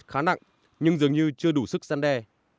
mức xử phạt khá nặng nhưng dường như chưa đủ sức săn đe